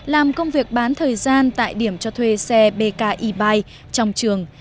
làm công việc bán thời gian tại điểm cho thuê xe bk e bike trong trường